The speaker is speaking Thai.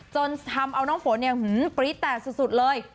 จนทำเอาน้องฝนปรี๊ดแตกสุดเลย